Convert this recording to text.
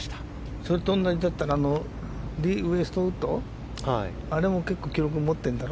それと同じだったらリー・ウエストウッド？あれも記録を持ってんだろ。